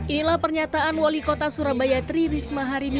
inilah pernyataan wali kota surabaya tri risma hari ini